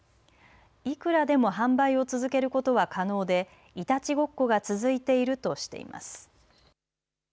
いくらでも販売を続けることは可能でいたちごっこが続いているとしています。